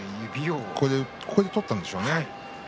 ここで取ったんでしょうね